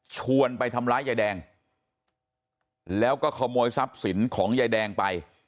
ชวนไปทำร้ายยายแดงแล้วก็ขโมยทรัพย์สินของยายแดงไป